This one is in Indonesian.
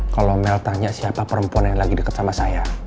kalo male tanya siapa perempuan yang lagi deket sama saya